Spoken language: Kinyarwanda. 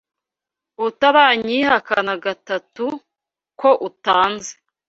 utaranyihakana gatatu, ko utanzi